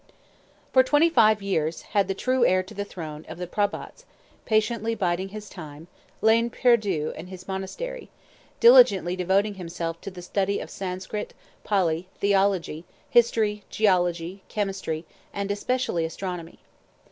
] For twenty five years had the true heir to the throne of the P'hra batts, patiently biding his time, lain perdu in his monastery, diligently devoting himself to the study of Sanskrit, Pali, theology, history, geology, chemistry, and especially astronomy.